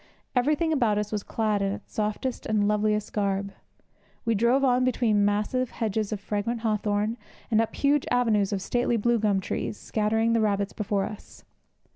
Everything about us was clad in its softest and loveliest garb. We drove on between massive hedges of fragrant hawthorn, and up huge avenues of stately blue gum trees, scattering the rabbits before us.